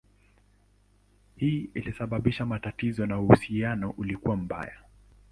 Hii ilisababisha matatizo na uhusiano ulikuwa mbaya.